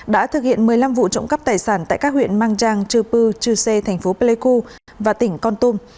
đã thực hiện một mươi năm vụ trộm cắp tài sản tại các huyện mang trang chư pư chư sê thành phố pleiku và tỉnh con tum